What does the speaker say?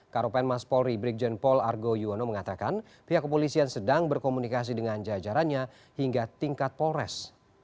karopen mas polri brigjen pol argo yuwono mengatakan pihak kepolisian sedang berkomunikasi dengan jajarannya hingga tingkat polres